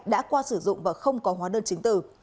đã qua sử dụng và không có hóa đơn chính tử